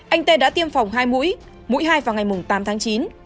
anh tê đã tiêm phòng hai mũi mũi hai vào ngày tám tháng chín